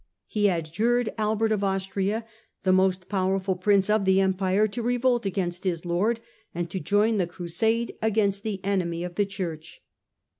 He adjured Albert of Austria, the most powerful Prince of the Empire, to revolt against his lord and to join the crusade against the enemy of the Church.